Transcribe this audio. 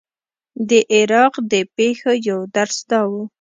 د عراق د پېښو یو درس دا و.